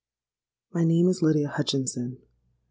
"My name is Lydia Hutchinson.